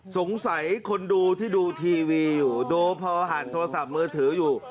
สงสัยคนดูที่ดูทีวีอยู่ดูพอห่างโทรศัพท์มือถืออยู่